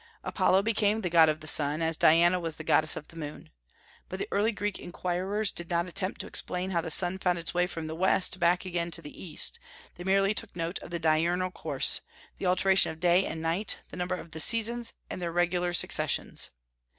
Apollo became the god of the sun, as Diana was the goddess of the moon. But the early Greek inquirers did not attempt to explain how the sun found his way from the west back again to the east; they merely took note of the diurnal course, the alternation of day and night, the number of the seasons, and their regular successions.